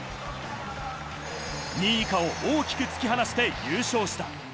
２位以下を大きく突き放して優勝した。